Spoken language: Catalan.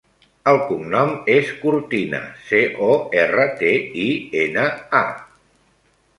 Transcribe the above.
El cognom és Cortina: ce, o, erra, te, i, ena, a.